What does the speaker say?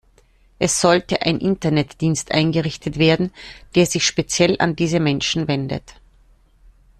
Es sollte ein Internetdienst eingerichtet werden, der sich speziell an diese Menschen wendet.